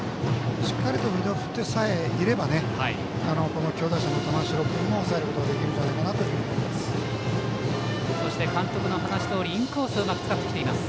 しっかり腕を振ってさえいれば強打者の玉城君も抑えることができると思います。